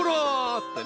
ってね。